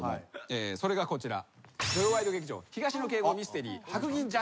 それがこちら。